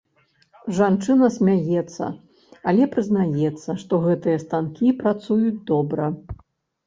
Жанчына смяецца, але прызнаецца, што гэтыя станкі працуюць добра.